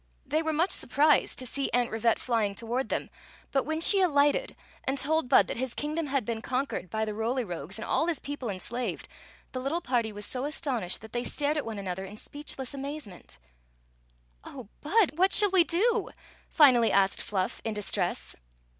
They were much surprised to see Aunt Rivette flying toward than; but when she lighted and told 22+ O^een Zixi of Ix; or, the Bud that his kingdom had been conquered by the Roly Rogues and all his people enslaved, the little party was so astonished that they stared at one an other in speechless amazement " Oh, Bud, what shall we do?" finally asked Fluf( in distress.